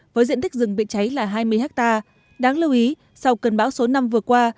với diện tích rừng bị cháy là hai mươi ha đáng lưu ý sau cơn bão số năm vừa qua